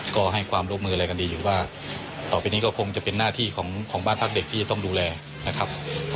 ก็ให้ความร่วมมืออะไรกันดีอยู่ว่าต่อไปนี้ก็คงจะเป็นหน้าที่ของบ้านพักเด็กที่จะต้องดูแลนะครับ